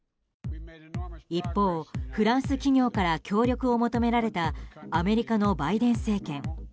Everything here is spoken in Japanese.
一方、フランス企業から協力を求められたアメリカのバイデン政権。